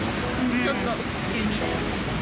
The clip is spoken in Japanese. ちょっと急にね。